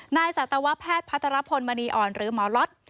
สัตวแพทย์พัทรพลมณีอ่อนหรือหมอล็อต